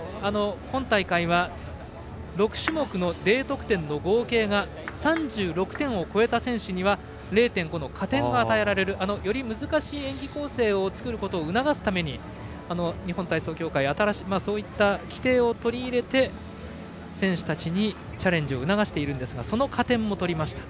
今大会は６種目のＤ得点の合計が３６点を超えた選手には０．５の加点が与えられるより難しい演技構成を作ることを促すために、日本体操協会はそういった規定を取り入れて選手たちにチャレンジを促しているんですがその加点も取りました。